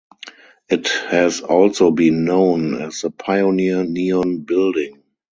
It has also been known as the Pioneer Neon Building.